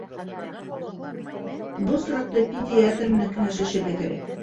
Был осраҡта пе-диатр менән кәңәшләшергә кәрәк.